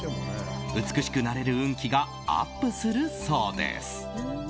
美しくなれる運気がアップするそうです。